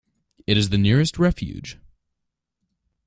It is the nearest refuge.